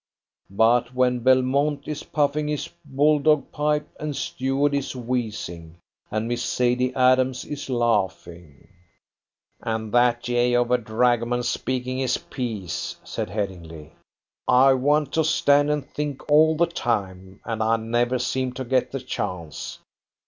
But when Belmont is puffing his bulldog pipe, and Stuart is wheezing, and Miss Sadie Adams is laughing " "And that jay of a dragoman speaking his piece," said Headingly; "I want to stand and think all the time, and I never seem to get the chance.